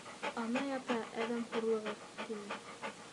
— Ана ята әҙәм хурлығы, — тине.